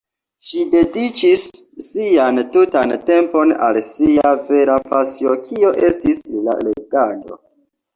Ŝi dediĉis sian tutan tempon al sia vera pasio kio estis la legado.